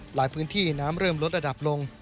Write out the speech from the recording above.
หลายพื้นที่น้ำเริ่มลดระดับลง